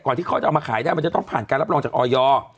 ที่เขาจะเอามาขายได้มันจะต้องผ่านการรับรองจากออย